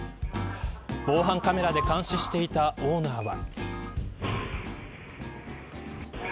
防犯カメラで監視していたオーナーは。